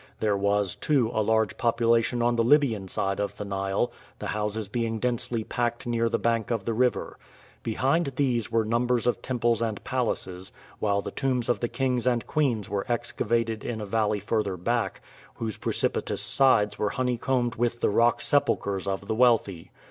There was, too, a large population on the Libyan side of the Nile, the houses being densely packed near the bank of the river. Behind these were numbers of temples and palaces, while the tombs of the kings and queens were excavated in a valley further back, whose precipitous sides were honeycombed with the rock sepulchers of the wealthy.